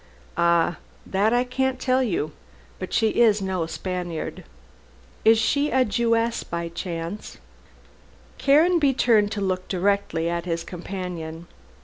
"Ah, that I can't tell you. But she is no Spaniard." "Is she a Jewess by any chance?" Caranby turned to look directly at his companion.